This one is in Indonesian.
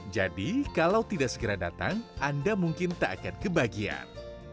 jadi kalau tidak segera datang anda mungkin tak akan kebahagiaan